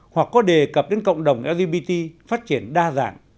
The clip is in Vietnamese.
hoặc có đề cập đến cộng đồng lgbt phát triển đa dạng